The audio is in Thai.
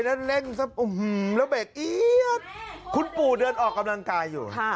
แล้วเร่งซะแล้วเบรกเอี๊ยดคุณปู่เดินออกกำลังกายอยู่